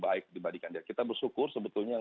baik dibandingkan kita bersyukur sebetulnya